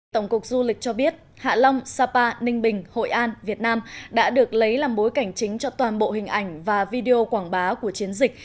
tổng cục du lịch cho biết hạ long sapa ninh bình hội an việt nam đã được lấy làm bối cảnh chính cho toàn bộ hình ảnh và video quảng bá của chiến dịch